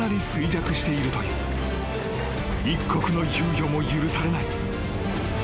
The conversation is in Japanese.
［一刻の猶予も許されない］